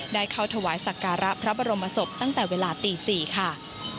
ได้เข้าถวายสักการะพระบรมศพตั้งแต่เวลาตี๔ค่ะ